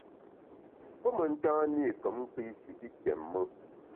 Pe mentan-i kom kpi shi pi kiém-e.